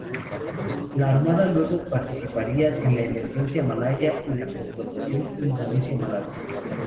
La Armada luego participaría en la Emergencia Malaya, y la confrontación Indonesia-Malasia.